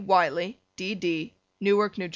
Wiley, D. D., Newark, N. J.